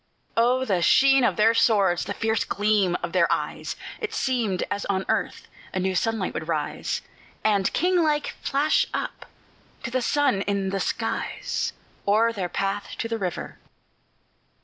Oh, the sheen of their swords! the fierce gleam of their eyes! It seemed as on earth a new sunlight would rise, And, king like, flash up to the sun in the skies, O'er their path to the river.